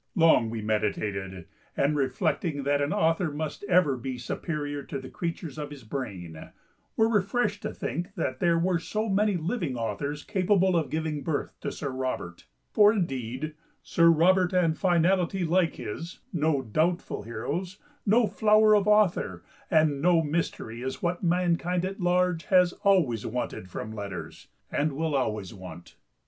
. Long we meditated, and, reflecting that an author must ever be superior to the creatures of his brain, were refreshed to think that there were so many living authors capable of giving birth to Sir Robert; for indeed, Sir Robert and finality like his—no doubtful heroes, no flower of author, and no mystery is what mankind at large has always wanted from Letters, and will always want.